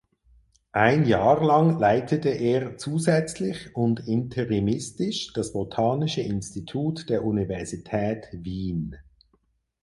Ein Jahr lang leitete er zusätzlich und interimistisch das Botanische Institut der Universität Wien.